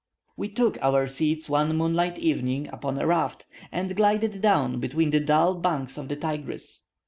We took our seats one moonlight evening upon a raft, and glided down between the dull banks of the Tigris.